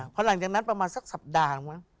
พอหลังจากนั้นประมาณสักสัปดาห์